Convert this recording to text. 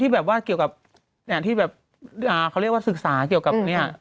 แบบว่าเกี่ยวกับที่แบบเขาเรียกว่าศึกษาเกี่ยวกับเนี่ย